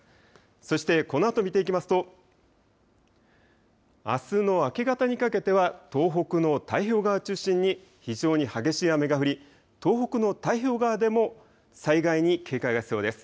そして、このあと見ていきますとあすの明け方にかけては東北の太平洋側を中心に非常に激しい雨が降り東北の太平洋側でも災害に警戒が必要です。